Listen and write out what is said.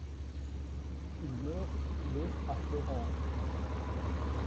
Il meurt le à Florence.